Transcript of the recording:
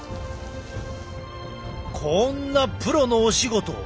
こんなプロのお仕事。